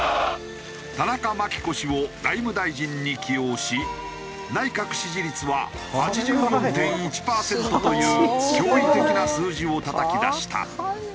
田中眞紀子氏を外務大臣に起用し内閣支持率は８４．１パーセントという驚異的な数字をたたき出した。